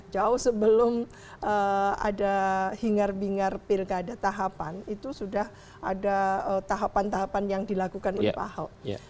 jauh sebelum ada hingar bingar pilkada tahapan itu sudah ada tahapan tahapan yang dilakukan oleh pak ahok